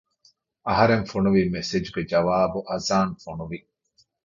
އަހަރެން ފޮނުވި މެސެޖްގެ ޖަވާބު އަޒާން ފޮނުވި